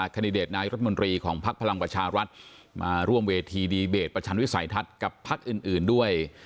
คันดิเดตนายรัฐมนตรีของภักดิ์พลังประชารัฐมาร่วมเวทีดีเบตประชันวิสัยทัศน์กับพักอื่นด้วย